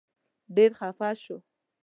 ډېر خپه شو.